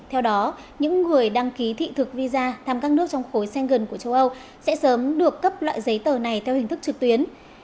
theo đó những người đăng ký thị thực visa thăm các nước trong khối sen gần của châu âu sẽ sớm được cấp loại giấy tờ này theo hình thức trực tuyến